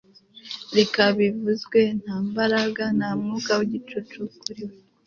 reka bivuzwe nta mbaraga, nta mwuka wigicucu kuriwo